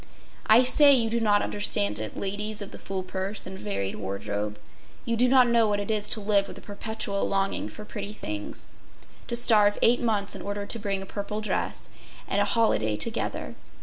I say you do not understand it, ladies of the full purse and varied wardrobe. You do not know what it is to live with a perpetual longing for pretty things—to starve eight months in order to bring a purple dress and a holiday together.